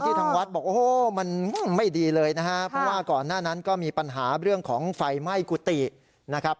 ทางวัดบอกโอ้โหมันไม่ดีเลยนะฮะเพราะว่าก่อนหน้านั้นก็มีปัญหาเรื่องของไฟไหม้กุฏินะครับ